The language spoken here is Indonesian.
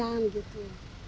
jadi dia tadi beli gitu